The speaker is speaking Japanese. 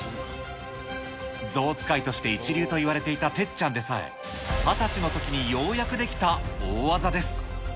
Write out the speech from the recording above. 象使いとして一流といわれていたてっちゃんでさえ、２０歳のときにようやくできた大技です。